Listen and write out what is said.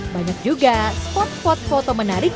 banyak juga stipot sipot foto menarik